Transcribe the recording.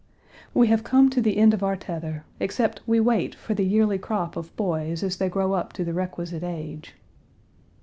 We have come to the end of our tether, except we wait for the yearly crop of boys as they grow up to the requisite age."